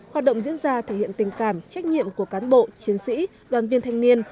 hoạt động diễn ra thể hiện tình cảm trách nhiệm của cán bộ chiến sĩ đoàn viên thanh niên